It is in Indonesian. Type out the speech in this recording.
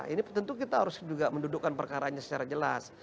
ini tentu kita harus juga mendudukkan perkaranya secara jelas